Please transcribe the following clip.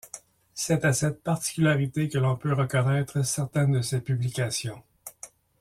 C'est à cette particularité que l'on peut reconnaître certaines de ses publications.